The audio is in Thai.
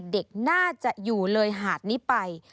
เด็กน่าจะอยู่เลยหาดนี้ไป